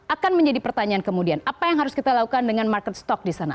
akan menjadi pertanyaan kemudian apa yang harus kita lakukan dengan market stock di sana